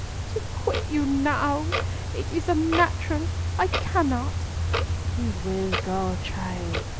"To quit you now! It is unnatural! I cannot." "You will go, child.